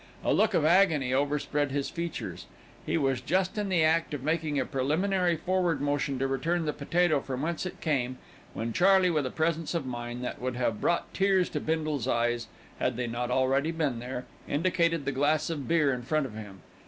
A look of agony overspread his features. He was just in the act of making a preliminary forward motion to return the potato from whence it came, when Charley, with a presence of mind that would have brought tears to Bindle's eyes, had they not already been there, indicated the glass of beer in front of him.